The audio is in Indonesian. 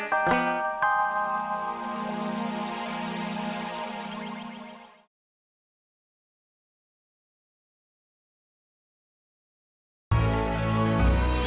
tidak ada yang bisa dihukum